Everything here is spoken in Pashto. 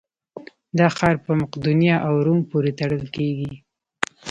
دا ښار په مقدونیه او روم پورې تړل کېږي.